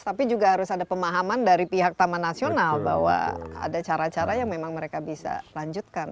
tapi juga harus ada pemahaman dari pihak taman nasional bahwa ada cara cara yang memang mereka bisa lanjutkan